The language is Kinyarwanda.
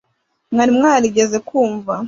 mwari mwarigeze kumva